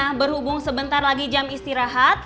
nah berhubung sebentar lagi jam istirahat